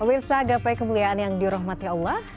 wirsaga pay kemuliaan yang dirahmati allah